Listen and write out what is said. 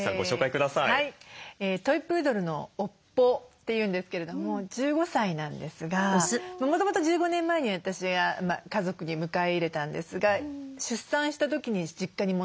トイ・プードルの「おっぽ」っていうんですけれども１５歳なんですがもともと１５年前に私が家族に迎え入れたんですが出産した時に実家に戻って。